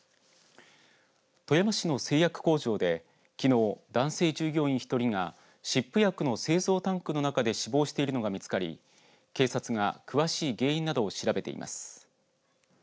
富山市の製薬工場で、きのう男性従業員１人が湿布薬の製造タンクの中で死亡しているのが見つかり警察が詳しい原因などを調べています。